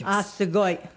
すごい！